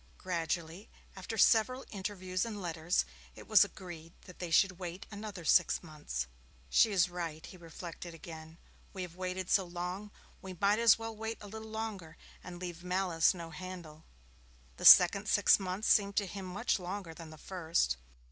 Gradually, after several interviews and letters, it was agreed that they should wait another six months. 'She is right,' he reflected again. 'We have waited so long, we may as well wait a little longer and leave malice no handle.' The second six months seemed to him much longer than the first.